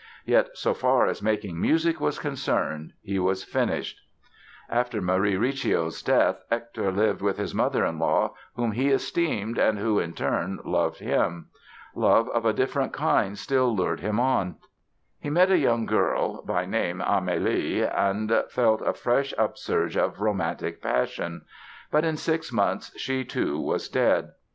Yet so far as making music was concerned he was finished. After Marie Recio's death Hector lived with his mother in law, whom he esteemed and who, in turn, loved him. Love of a different kind still lured him on. He met a young girl, by name Amélie and felt a fresh upsurge of romantic passion. But in six months she, too, was dead.